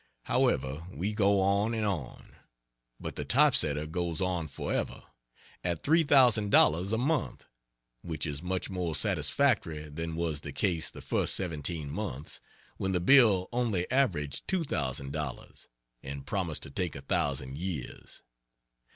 However we go on and on, but the type setter goes on forever at $3,000 a month; which is much more satisfactory than was the case the first seventeen months, when the bill only averaged $2,000, and promised to take a thousand years.